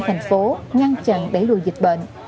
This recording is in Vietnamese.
thành phố ngăn chặn để lùi dịch bệnh